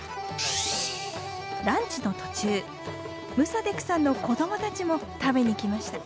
ランチの途中ムサデクさんの子供たちも食べに来ました。